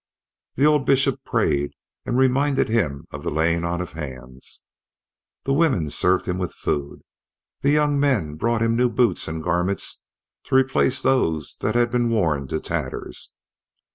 The old Bishop prayed and reminded him of the laying on of hands. The women served him with food, the young men brought him new boots and garments to replace those that had been worn to tatters.